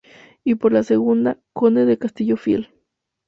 Y por la segunda, conde de Castillo Fiel.